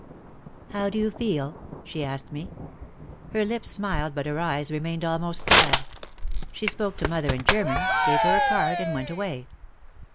"How do you feel?" she asked me. Her lips smiled but her eyes remained almost sad. She spoke to mother in German, gave her a card and went away.